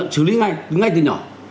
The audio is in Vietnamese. xử lý ngay từ nhỏ